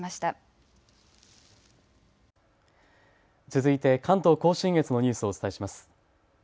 続いて関東甲信越のニュースをお伝えします。